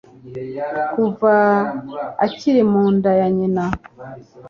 kuva akiri mu nda ya nyina